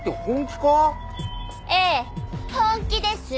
ええ本気です。